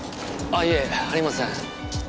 あっいいえありません。